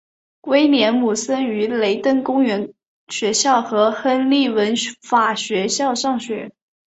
威廉姆森于雷登公园学校和亨利文法学校上学。